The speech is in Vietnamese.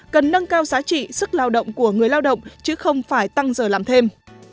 cần nâng cao giá trị sức lao động của người lao động chứ không phải tăng giờ làm thêm